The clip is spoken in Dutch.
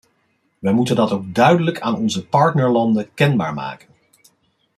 Wij moeten dat ook duidelijk aan onze partnerlanden kenbaar maken.